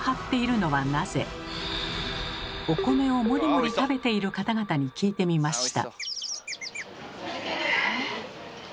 お米をもりもり食べている方々に聞いてみました。